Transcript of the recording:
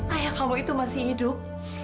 ayah kamu itu masih hidup